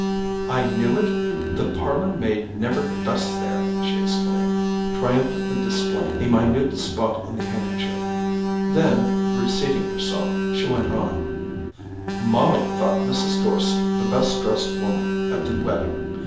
"I knew it—the parlour maid never dusts there!" she exclaimed, triumphantly displaying a minute spot on the handkerchief; then, reseating herself, she went on: "Molly thought Mrs. Dorset the best dressed woman at the wedding.